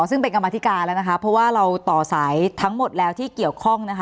ซึ่งเป็นกรรมอธิกาแล้วนะคะเพราะว่าเราต่อสายทั้งหมดแล้ว